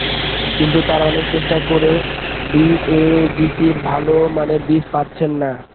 কিন্তু তাঁরা অনেক চেষ্টা করেও বিএডিসির ভালো মানের বীজ পাচ্ছেন না।